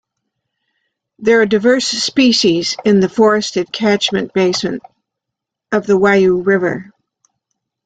There are diverse species in the forested catchment basin of the Waiau River.